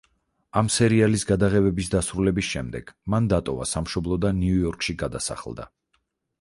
ამ სერიალის გადაღებების დასრულების შემდეგ მან დატოვა სამშობლო და ნიუ იორკში გადასახლდა.